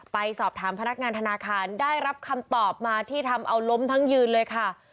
ไปสอบถามพนักงานธนาคารได้รับคำตอบมาที่ทำเอาล้มทั้งยืนเลยค่ะ